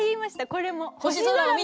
これも。